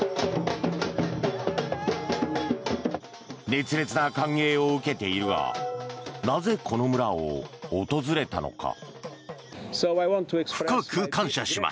熱烈な歓迎を受けているがなぜ、この村を訪れたのか。